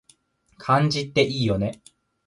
漢字っていいよね